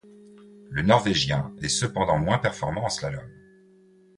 Le Norvégien est cependant moins performant en slalom.